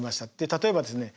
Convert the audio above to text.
例えばですね